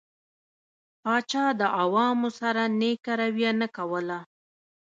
پاچا د عوامو سره نيکه رويه نه کوله.